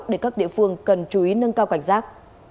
để các địa phương cần chú ý nâng cao cảnh giác